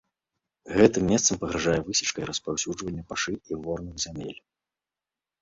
Гэтым месцам пагражае высечка і распаўсюджванне пашы і ворных зямель.